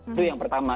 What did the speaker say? itu yang pertama